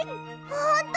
ほんと！？